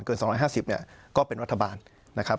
๒๕๐เนี่ยก็เป็นรัฐบาลนะครับ